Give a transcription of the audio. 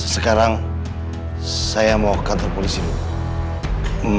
sekarang saya mau ke kantor polisi bu